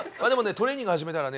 トレーニング始めたらね